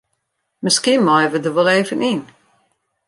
Miskien meie we der wol even yn.